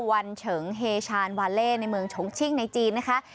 วันเฉิงเฮชานวาเล่ในเมืองชงชิ่งในจีนนะคะ